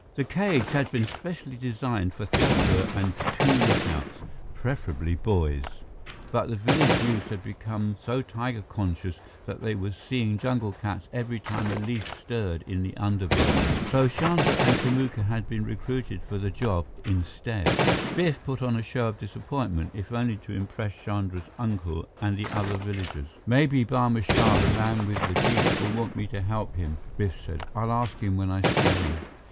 The cage had been specially designed for Thakur and two lookouts, preferably boys. But the village youths had become so tiger conscious that they were seeing jungle cats every time a leaf stirred in the underbrush. So Chandra and Kamuka had been recruited for the job instead. Biff put on a show of disappointment, if only to impress Chandra's uncle and the other villagers. "Maybe Barma Shah, the man with the jeep, will want me to help him," Biff said. "I'll ask him when I see him."